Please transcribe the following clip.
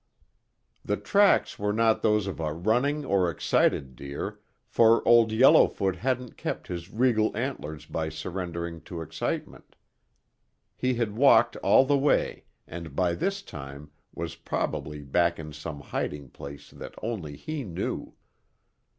The tracks were not those of a running or excited deer, for Old Yellowfoot hadn't kept his regal antlers by surrendering to excitement. He had walked all the way and by this time was probably back in some hiding place that only he knew.